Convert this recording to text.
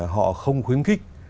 họ không khuyến khích